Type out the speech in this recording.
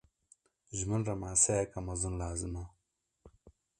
Ji me re maseyeke mezin lazim e.